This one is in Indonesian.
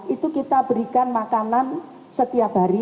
itu kita berikan makanan setiap hari